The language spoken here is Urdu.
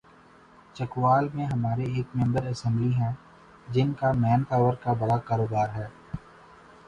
چکوال میں ہمارے ایک ممبر اسمبلی ہیں‘ جن کا مین پاور کا بڑا کاروبار ہے۔